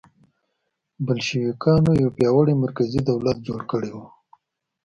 بلشویکانو یو پیاوړی مرکزي دولت جوړ کړی و